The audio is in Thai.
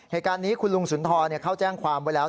ในการนี้คุณลุงศุนย์ท่อเขาแจ้งความว่าแล้ว